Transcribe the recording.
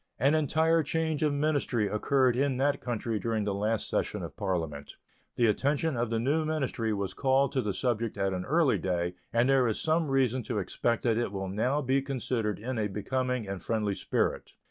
An entire change of ministry occurred in that country during the last session of Parliament. The attention of the new ministry was called to the subject at an early day, and there is some reason to expect that it will now be considered in a becoming and friendly spirit.